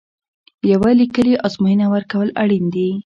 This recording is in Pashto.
یوه لیکلې ازموینه ورکول اړین دي.